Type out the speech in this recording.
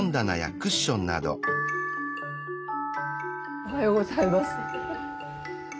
おはようございます。